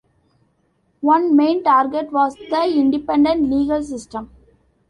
One main target was the independent legal system.